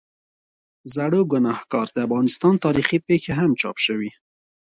زړوګناهکار، د افغانستان تاریخي پېښې هم چاپ شوي.